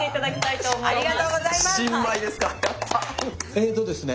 えとですね